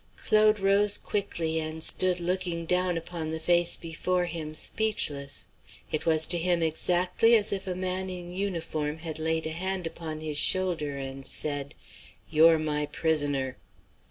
Claude rose quickly and stood looking upon the face before him, speechless. It was to him exactly as if a man in uniform had laid a hand upon his shoulder and said, "You're my prisoner."